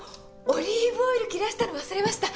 オリーブオイル切らしたの忘れました。